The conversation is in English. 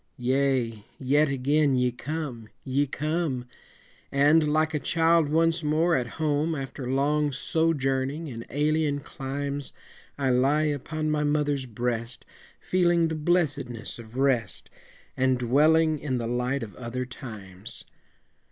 Yea, yet again ye come! ye come! And, like a child once more at home After long sojourning in alien climes, I lie upon my mother's breast, Feeling the blessedness of rest, And dwelling in the light of other times.